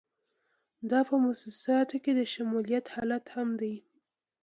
دا په موسساتو کې د شمولیت حالت هم دی.